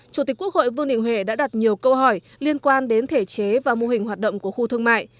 chủ tịch quốc hội vương đình huệ đã đặt nhiều câu hỏi liên quan đến thể chế và mô hình hoạt động của khu thương mại